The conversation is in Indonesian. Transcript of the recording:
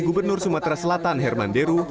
gubernur sumatera selatan herman deru